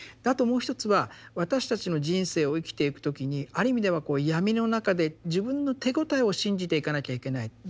であともう一つは私たちの人生を生きていく時にある意味では闇の中で自分の手応えを信じていかなきゃいけない。